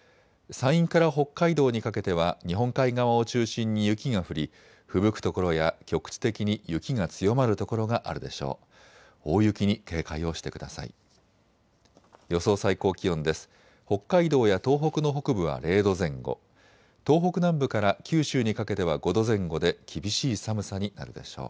山陰から北海道にかけては日本海側を中心に雪が降りふぶく所や局地的に雪が強まる所があるでしょう。